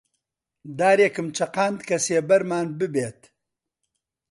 دارێکم چەقاند کە سێبەرمان ببێت